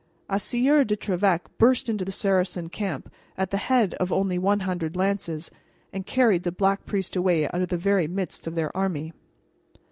A Sieur de Trevec burst into the Saracen camp, at the head of only one hundred lances, and carried the Black Priest away out of the very midst of their army."